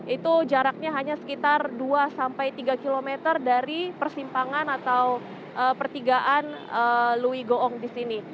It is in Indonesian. itu jaraknya hanya sekitar dua sampai tiga kilometer dari persimpangan atau pertigaan louis goong di sini